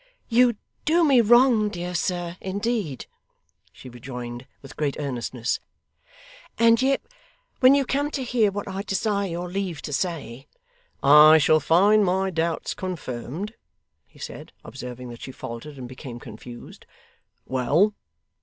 'You do me wrong, dear sir, indeed,' she rejoined with great earnestness; 'and yet when you come to hear what I desire your leave to say ' 'I shall find my doubts confirmed?' he said, observing that she faltered and became confused. 'Well!